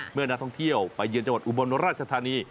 เมื่อนักท่องเที่ยวไปเยือนจังหวัดอุบลราชธานี